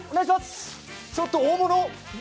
ちょっと大物。